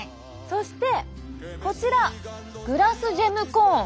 そしてこちらグラスジェムコーン。